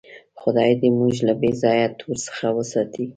خدای دې موږ له بېځایه تور څخه وساتي.